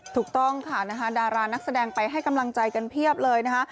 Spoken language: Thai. ถูกต้องค่ะนะคะดารานักแสดงไปให้กำลังใจกันเพียบเลยนะคะ